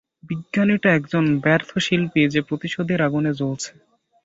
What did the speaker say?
বিজ্ঞানীটা একজন ব্যর্থ শিল্পী যে প্রতিশোধের আগুনে জ্বলছে।